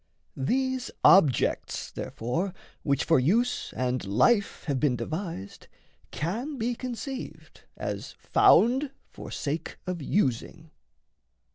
These objects, therefore, which for use and life Have been devised, can be conceived as found For sake of using.